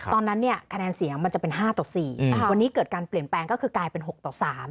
ตอนนั้นเนี่ยคะแนนเสียงมันจะเป็น๕ต่อ๔วันนี้เกิดการเปลี่ยนแปลงก็คือกลายเป็น๖ต่อ๓